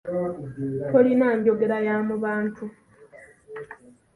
Tolina njoggera ya mu bantu.